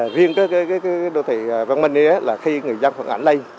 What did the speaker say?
riêng đô thị văn minh khi người dân phản ánh đây